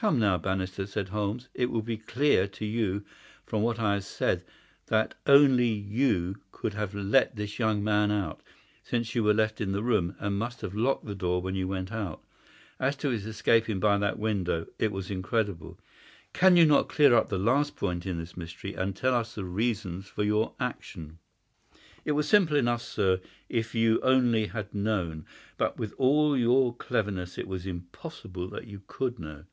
"Come now, Bannister," said Holmes. "It will be clear to you from what I have said that only you could have let this young man out, since you were left in the room, and must have locked the door when you went out. As to his escaping by that window, it was incredible. Can you not clear up the last point in this mystery, and tell us the reasons for your action?" "It was simple enough, sir, if you only had known; but with all your cleverness it was impossible that you could know.